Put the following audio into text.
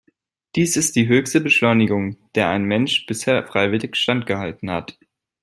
Dies ist die höchste Beschleunigung, der ein Mensch bisher freiwillig standgehalten hat.